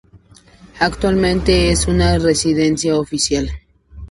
Actualmente es una residencia oficial.